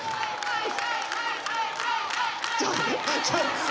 はい！